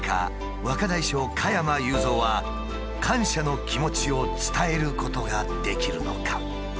若大将加山雄三は感謝の気持ちを伝えることができるのか？